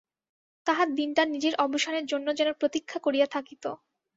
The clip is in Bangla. তাহার দিনটা নিজের অবসানের জন্য যেন প্রতীক্ষা করিয়া থাকিত।